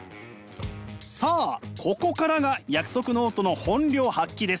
さあここからが約束ノートの本領発揮です。